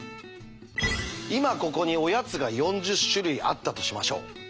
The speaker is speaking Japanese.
今ここにおやつが４０種類あったとしましょう。